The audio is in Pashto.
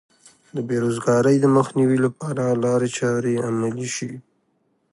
د بې روزګارۍ د مخنیوي لپاره لارې چارې عملي شي.